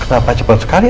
karena agak cepat sekali ah